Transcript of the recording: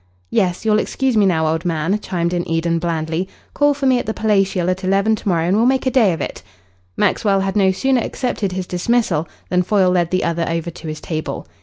"Yes, you'll excuse me now, old man," chimed in Eden blandly. "Call for me at the Palatial at eleven to morrow, and we'll make a day of it." Maxwell had no sooner accepted his dismissal than Foyle led the other over to his table.